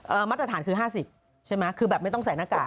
มาตรฐานคือห้าสิบใช่ไหมคือแบบไม่ต้องใส่หน้ากาก